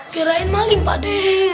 gerain maling pakdeh